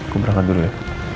gue berangkat dulu ya